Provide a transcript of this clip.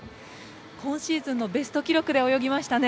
今シーズンのベスト記録で泳ぎましたね。